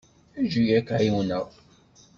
Eǧǧ-iyi ad k-ɛiwneɣ.